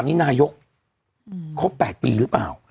นี่นายกครบ๘ปีหรือเปล่า